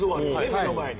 目の前に。